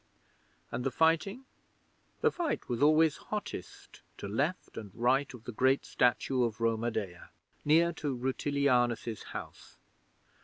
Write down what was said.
'And the fighting? The fight was always hottest to left and right of the great statue of Roma Dea, near to Rutilianus's house.